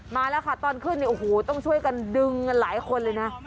มาแล้วค่ะตอนขึ้นต้องช่วยกันดึงหลายคนเลยนะ